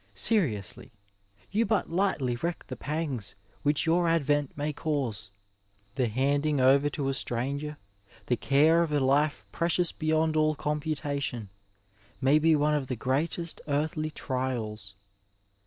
Seriously, you but Cghtly reck the pangs which your advent may cause. The handing over to a stranger the care of a life precious beyond all computation may be one of the greatest earthly trials.